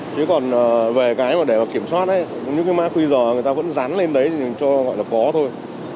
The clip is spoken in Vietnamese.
chứ còn về cái để kiểm soát ấy những cái mã qr người ta vẫn dán lên đấy cho gọi là có thôi